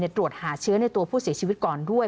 ตรวจหาเชื้อในตัวผู้เสียชีวิตก่อนด้วย